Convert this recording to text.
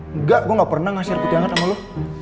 enggak gue gak pernah ngasih air putih hangat sama lo